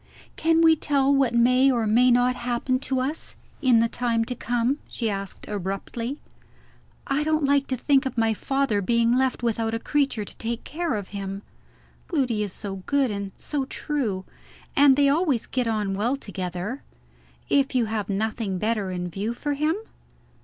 "Can we tell what may or may not happen to us, in the time to come?" she asked abruptly. "I don't like to think of my father being left without a creature to take care of him. Gloody is so good and so true; and they always get on well together. If you have nothing better in view for him